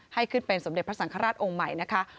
ให้ขึ้นเป็นสมเด็จพระสังฆราชองค์ใหม่นะคะ